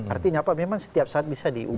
artinya apa memang setiap saat bisa diubah